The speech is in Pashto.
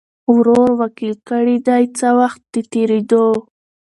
ورور وکیل کړي دی څه وخت د تېریدو